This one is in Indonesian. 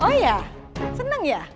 oh iya seneng ya